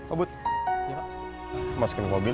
awak mau masukin cobin